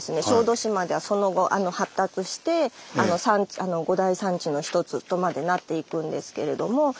小豆島ではその後発達して五大産地の一つとまでなっていくんですけれども